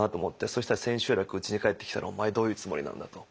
そしたら千秋楽うちに帰ってきたら「お前どういうつもりなんだ」と。